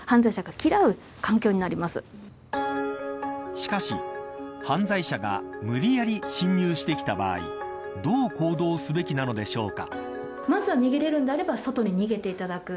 しかし、犯罪者が無理やり侵入してきた場合どう行動すべきなのでしょうか。